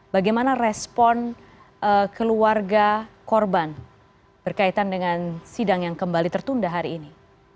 bagaimana respon keluarga korban berkaitan dengan sidang yang kembali tertunda hari ini